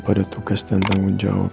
pada tugas dan tanggung jawab